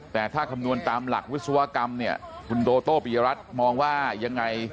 แต่ถ้าคำนวณตามหลักวิศวกรรมเนี่ยคุณโดโต้ปียรัฐมองว่ายังไง